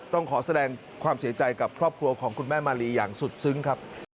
ต้องขอแสดงความเสียใจกับครอบครัวของคุณแม่มาลีอย่างสุดซึ้งครับ